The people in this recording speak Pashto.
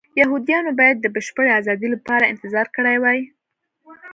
یهودیانو باید د بشپړې ازادۍ لپاره انتظار کړی وای.